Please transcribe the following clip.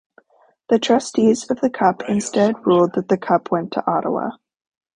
The trustees of the Cup instead ruled that the Cup went to Ottawa.